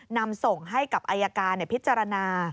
นำส่งให้กับอายการพิจารณา